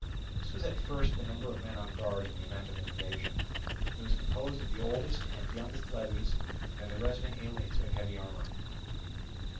This was at first the number of men on guard in the event of an invasion: it was composed of the oldest and youngest levies and the resident aliens who had heavy armour.